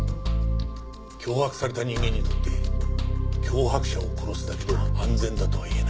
脅迫された人間にとって脅迫者を殺すだけでは安全だとは言えない。